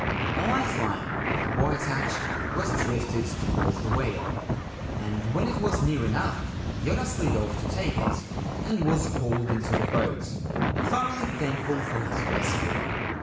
A life line with a buoy attached was drifted towards the whale, and when it was near enough Yoda slid off to take it, and was hauled into the boat, thoroughly thankful for his rescue.